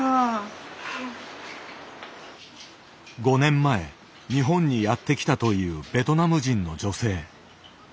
５年前日本にやって来たというベトナム人の女性。